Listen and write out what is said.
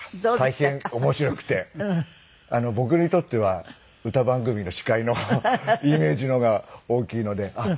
大変面白くて僕にとっては歌番組の司会のイメージの方が大きいのであっ